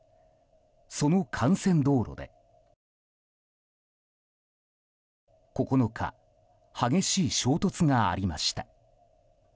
その幹線道路で９日、激しい衝突がありました。